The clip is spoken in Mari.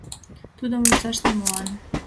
Тудым вурсаш нимолан.